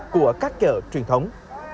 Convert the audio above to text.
của các chợ truyền thống